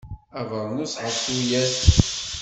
Abernus ɣef tuyat.